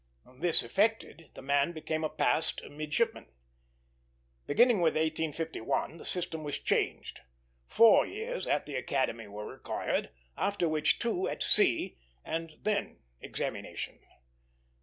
This effected, the man became a "passed" midshipman. Beginning with 1851, the system was changed. Four years at the Academy were required, after which two at sea, and then examination.